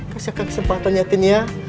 kasihkan kesempatannya tin ya